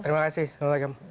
terima kasih selamat pagi